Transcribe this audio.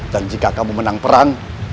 dan jika kamu menang perang